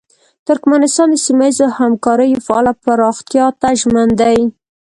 ترکمنستان د سیمه ییزو همکاریو فعاله پراختیاوو ته ژمن دی.